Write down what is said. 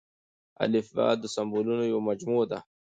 الفبې د سمبولونو يوه مجموعه ده.